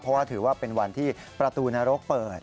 เพราะว่าถือว่าเป็นวันที่ประตูนรกเปิด